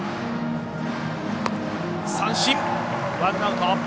三振、ワンアウト。